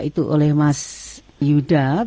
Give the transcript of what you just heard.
itu oleh mas yuda